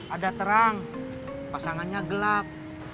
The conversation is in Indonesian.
ada terang pasangannya gelap